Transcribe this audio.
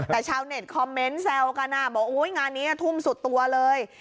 แต่ชาวเน็ตคอมเมนต์แซวกันบอกงานนี้ทุ่มสุดตัวเลย